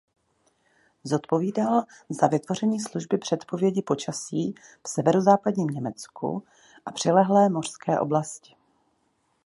Zodpovídal za vytvoření služby předpovědi počasí v severozápadním Německu a přilehlé mořské oblasti.